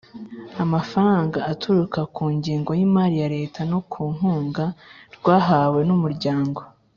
amafaranga aturuka ku ngengo y imari ya Leta no ku nkunga rwahawe n Umuryango